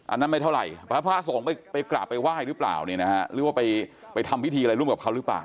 อันนั้นไม่เท่าไรพระภาษงศ์ไปกราบไปว่ายหรือเปล่าหรือว่าไปทำพิธีอะไรร่วมกับเขาหรือเปล่า